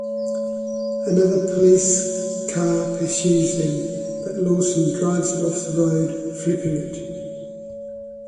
Another police car pursues them, but Lawson drives it off the road, flipping it.